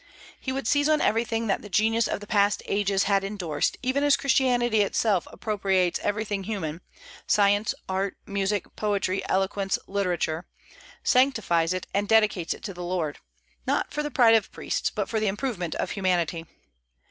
He would seize on everything that the genius of past ages had indorsed, even as Christianity itself appropriates everything human, science, art, music, poetry, eloquence, literature, sanctifies it, and dedicates it to the Lord; not for the pride of priests, but for the improvement of humanity.